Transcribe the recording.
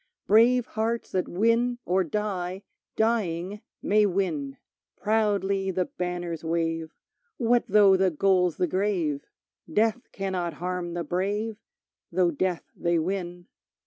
Brave hearts that win or die, Dying, may win; Proudly the banners wave, What though the goal's the grave? Death cannot harm the brave, Through death they win.